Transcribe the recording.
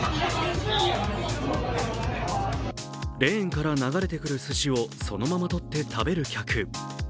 レーンから流れてくるすしを、そのままとって食べる客。